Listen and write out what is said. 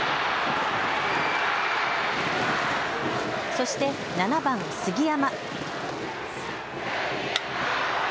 そして、７番・杉山。